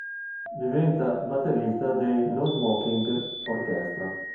Diventa batterista dei No Smoking Orchestra.